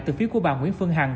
từ phía của bà nguyễn phương hằng